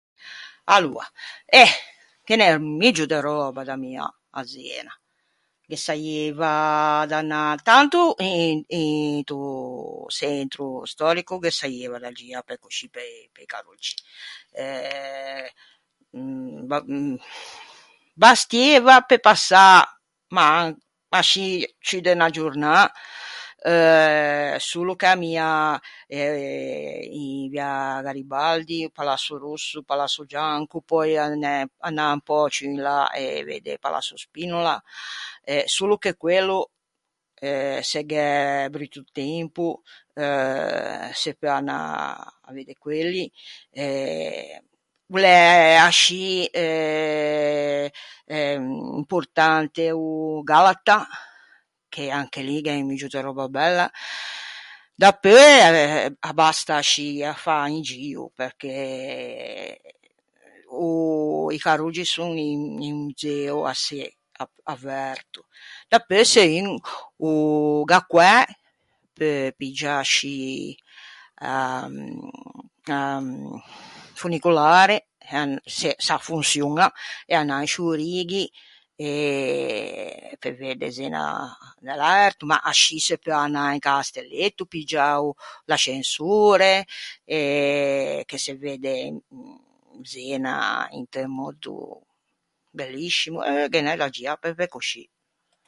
Aloa, eh, ghe n’é un muggio de röba da ammiâ à Zena. Ghe saieiva da anâ, tanto in into çentro stòrico ghe saieiva da giâ pe coscì pe-i pe-i carroggi. Eh ba- bastieiva pe passâ, ma an- ma ascì ciù de unna giornâ euh solo che ammiâ eh in via Garibaldi, Palasso Rosso, Palasso Gianco, pöi anæ anâ un pö ciù in là e vedde Palasso Spinola, eh solo che quello eh se gh’é brutto tempo euh se peu anâ à vedde quelli e o l’é ascì eh eh importante o Galata, che anche lì gh’é un muggio de röba bella. Dapeu eh abbasta ascì à fâ un gio, perché o i carroggi son un un museo à çê averto. Dapeu se un o gh’à coæ, peu piggiâ ascì a a funicolare, e an-, se s’a fonçioña, e anâ in sciô Righi e pe pe vedde Zena da l’erto, ma ascì se peu anâ in Castelletto, piggiâ o l’ascensore e che se vedde in Zena inte un mòddo belliscimo. Euh, ghe n’é da giâ pe pe coscì.